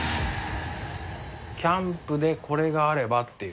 キャンプでこれがあればっていう。